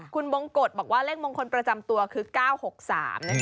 คุณบงกฎบอกว่าเลขมงคลประจำตัวคือ๙๖๓นะคะ